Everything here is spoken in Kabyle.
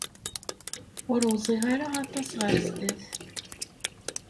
Ur uẓiɣ ara aṭas ɣer sdat.